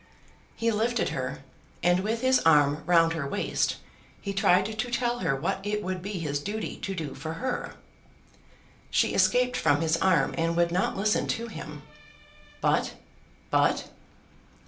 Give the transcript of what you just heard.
He lifted her, and with his arm round her waist he tried to tell her what it would be his duty to do for her. She escaped from his arm and would not listen to him. But, but